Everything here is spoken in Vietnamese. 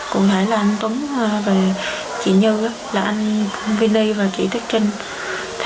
cụ thể là anh túng về chị như là anh vinny và chị tích trinh